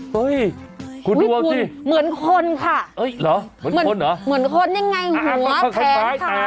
เฮ้ยคุณดูเอาสิคุณเหมือนคนค่ะเหมือนคนยังไงหัวแผนค่ะคล้าย